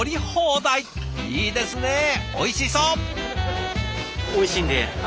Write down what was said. いいですねおいしそう！